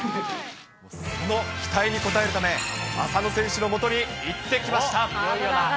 その期待に応えるため、浅野選手のもとに行ってきました。